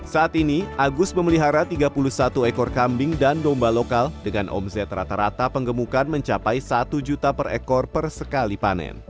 saat ini agus memelihara tiga puluh satu ekor kambing dan domba lokal dengan omset rata rata penggemukan mencapai satu juta per ekor per sekali panen